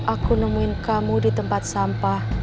aku nemuin kamu di tempat sampah